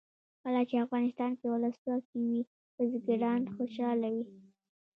کله چې افغانستان کې ولسواکي وي بزګران خوشحاله وي.